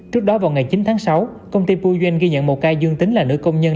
trước đó vào ngày chín tháng sáu công ty pu doanh ghi nhận một ca dương tính là nữ công nhân